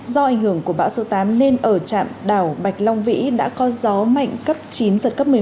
do ảnh hưởng của bão số tám nên ở trạm đảo bạch long vĩ đã có gió mạnh cấp chín giật cấp một mươi một